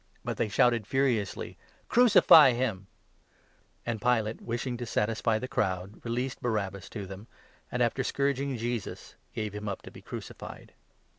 14 But they shouted furiously :" Crucify him !" And Pilate, wishing to satisfy the crowd, released Barabbas 15 to them, and, after scourging Jesus, gave him up to be crucified.